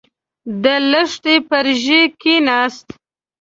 د لښتي پر ژۍکېناست.